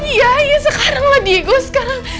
iya iya sekarang lah diego sekarang